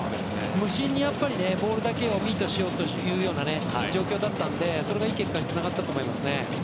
無心にボールだけにミートしようという状況だったのでそれが、いい結果につながったと思いますね。